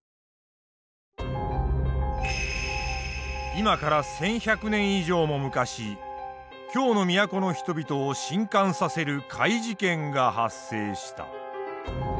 今から１，１００年以上も昔京の都の人々を震撼させる怪事件が発生した。